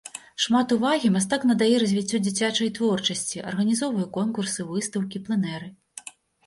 Шмат увагі мастак надае развіццю дзіцячай творчасці, арганізоўвае конкурсы, выстаўкі, пленэры.